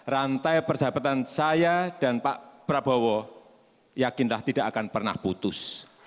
rantai persahabatan saya dan pak prabowo yakinlah tidak akan pernah putus